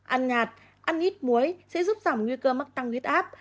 ăn ngạt ăn ít muối sẽ giúp giảm nguy cơ mắc tăng nguyết áp